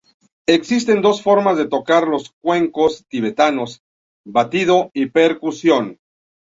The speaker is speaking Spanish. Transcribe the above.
Existen dos formas de tocar los cuencos tibetanos: Batido y percusión.